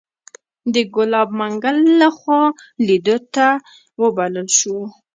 د ګلاب منګل لخوا لیدو ته وبلل شوو.